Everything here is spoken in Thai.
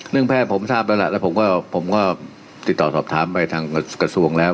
เน่องแพทย์ผมทราบแล้วแหละแล้วก็ผมก็ผมก็ติดต่อสอบถามไปทางกฎสูงแล้ว